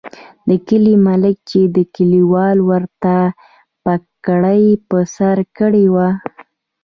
د کلي ملک چې کلیوالو ورته پګړۍ په سر کړې وه.